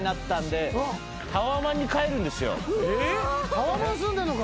タワマン住んでんのか。